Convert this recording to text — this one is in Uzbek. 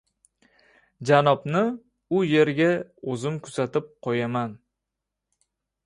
Janobni u yerga o‘zim kuzatib qo‘yaman.